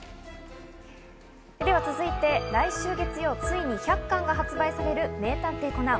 では続いて来週月曜ついに１００巻が発売される『名探偵コナン』。